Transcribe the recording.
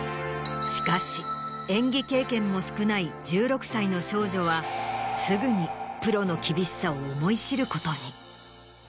しかし演技経験も少ない１６歳の少女はすぐにプロの厳しさを思い知ることに。